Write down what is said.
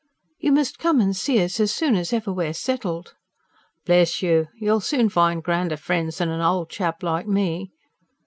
"You must come and see us, as soon as ever we're settled." "Bless you! You'll soon find grander friends than an old chap like me."